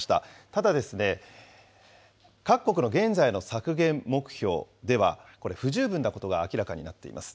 ただ、各国の現在の削減目標では、これ、不十分なことが明らかになっています。